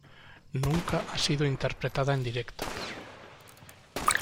Nunca ha sido interpretada en directo.